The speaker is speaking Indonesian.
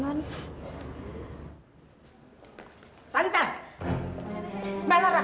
nenek yang tenang ya non